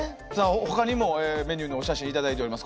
ほかにもメニューのお写真頂いております